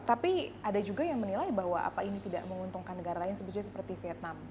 tapi ada juga yang menilai bahwa apa ini tidak menguntungkan negara lain sebetulnya seperti vietnam